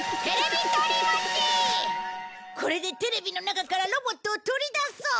これでテレビの中からロボットを取り出そう！